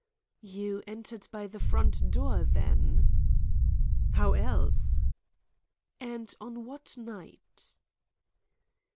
"You entered by the front door, then?" "How else?" "And on what night?"